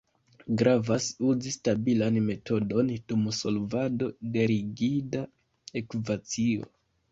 Gravas uzi stabilan metodon dum solvado de rigida ekvacio.